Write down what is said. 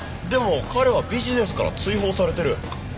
でも彼はビジネスから追放されてる。